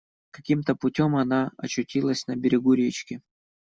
Каким-то путем она очутилась на берегу речки.